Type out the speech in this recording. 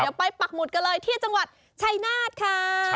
เดี๋ยวไปปักหมุดกันเลยที่จังหวัดชัยนาธค่ะ